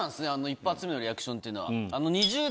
一発目のリアクションっていうのは。